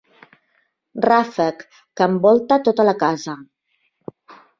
Ràfec que envolta tota la casa.